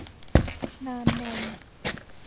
นานนม